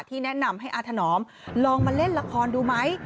แนะนำให้อาถนอมลองมาเล่นละครดูไหม